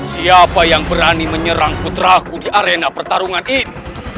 siapa yang berani menyerang putraku di arena pertarungan ini